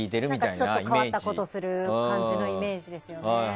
ちょっと変わったことするイメージですよね。